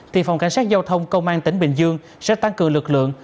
thì phòng cảnh sát giao thông công an tỉnh bình dương sẽ tăng cường lực lượng